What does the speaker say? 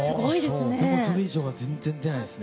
それ以上は全然出ないです。